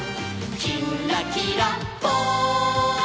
「きんらきらぽん」